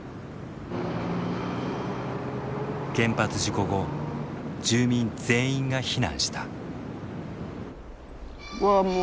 原発事故後住民全員が避難した。